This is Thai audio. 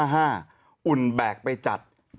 อุ่นแบกไปจัด